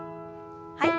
はい。